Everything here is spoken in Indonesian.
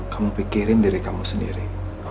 kamu pikirin diri kamu sendiri